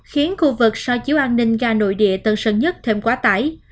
khiến khu vực so chiếu an ninh ga nội địa tân sơn nhất thêm quá tải